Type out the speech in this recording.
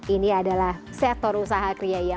ini adalah sektor usaha kria ya